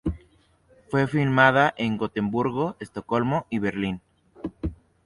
Fue filmada en Gotemburgo, Estocolmo y Berlín.